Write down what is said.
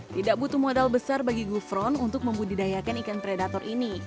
tidak butuh modal besar bagi gufron untuk membudidayakan ikan predator ini